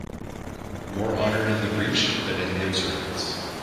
More honored in the breach than in the observance